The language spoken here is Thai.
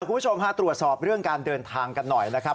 คุณผู้ชมฮะตรวจสอบเรื่องการเดินทางกันหน่อยนะครับ